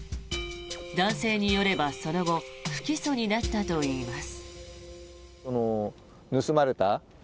男性によれば、その後不起訴になったといいます。